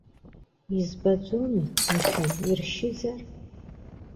Избаӡомеи, мшәан, иршьызар?